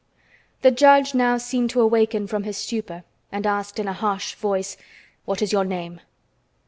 The judge now seemed to awaken from his stupor and asked in a harsh voice: "What is your name?"